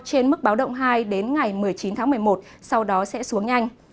trên mức báo động hai đến ngày một mươi chín tháng một mươi một sau đó sẽ xuống nhanh